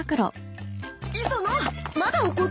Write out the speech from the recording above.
磯野まだ怒ってるのか？